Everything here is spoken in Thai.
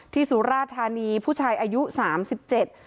สุราธานีผู้ชายอายุสามสิบเจ็ด